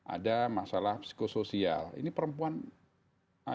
ada masalah psikosoial ini perempuan ada di sana andilnya cukup besar